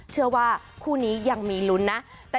เชื่อว่าคู่นี้ยังมีลุ้นนะ